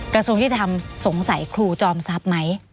กระทรวงยุติธรรมสงสัยครูจอมทรัพย์ไหม